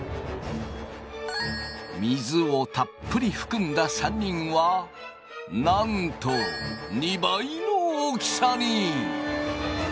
水をたっぷり含んだ３人はなんと２倍の大きさに！